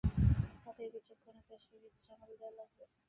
তাদের বিচক্ষণতার সহিত সামাল দেয়া লাগবে।